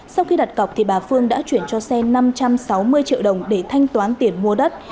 sau khi đặt cọc bà phương đã chuyển cho xen năm trăm sáu mươi triệu đồng để thanh toán tiền mua đất